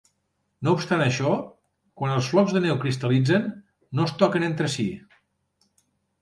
No obstant això, quan els flocs de neu cristal·litzen, no es toquen entre si.